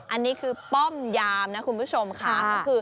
อันนี้คือป้อมยามนะคุณผู้ชมค่ะ